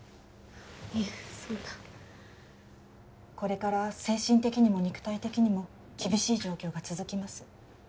いえそんなこれから精神的にも肉体的にも厳しい状況が続きます